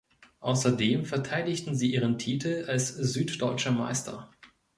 Außerdem verteidigten sie ihren Titel als Süddeutscher Meister.